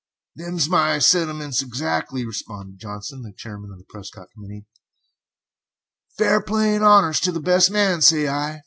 "Them's my sentiments exactly," responded Johnson, the chairman of the Prescott committee. "Fair play and honors to the best man, say I!